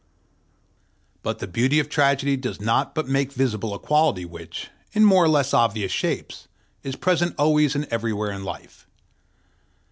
But the beauty of Tragedy does but make visible a quality which, in more or less obvious shapes, is present always and everywhere in life.